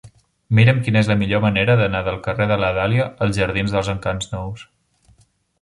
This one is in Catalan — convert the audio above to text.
Mira'm quina és la millor manera d'anar del carrer de la Dàlia als jardins dels Encants Nous.